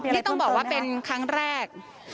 นี่ต้องบอกว่าเป็นครั้งแรก